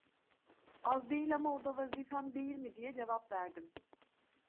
Az değil ama, o da vazifem değil mi? diye cevap verdim.